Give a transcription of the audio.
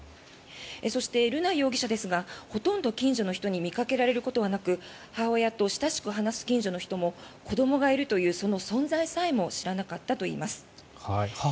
そして、瑠奈容疑者ですがほとんど近所の人に見かけられることはなく母親と親しく話す近所の人も子どもがいるという存在さえも知らなかったといいます。